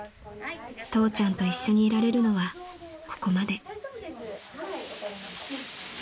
［父ちゃんと一緒にいられるのはここまで］